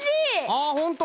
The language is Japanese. あほんと！